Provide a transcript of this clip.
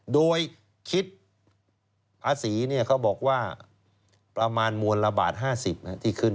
โดยคิดภาษีเขาบอกว่าประมาณมวลละบาท๕๐ที่ขึ้น